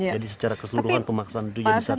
jadi secara keseluruhan pemaksan itu jadi satu